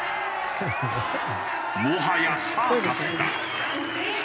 もはやサーカスだ。